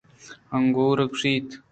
انگُور ءَ گوٛشت